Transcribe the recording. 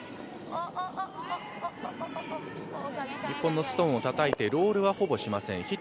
日本のストーンをたたいて、ロールはほぼしません。